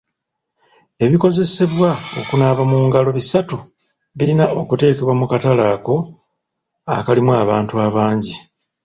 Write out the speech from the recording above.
Ebikozesebwa okunaaba mu ngalo bisatu birina okuteekebwa mu katale ako akalimu abantu abangi.